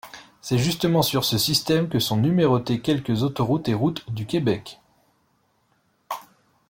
C'est justement sur ce système que sont numérotées quelques autoroutes et routes du Québec.